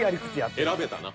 選べたな。